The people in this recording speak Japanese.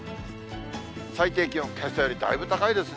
最低気温、けさよりだいぶ高いですね。